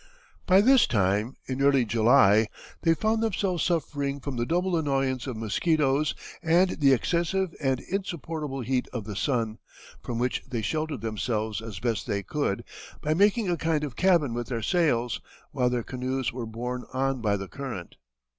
By this time, in early July, they found themselves suffering from the double annoyance of mosquitoes and the excessive and insupportable heat of the sun, from which they sheltered themselves as best they could by making a kind of cabin with their sails, while their canoes were borne on by the current.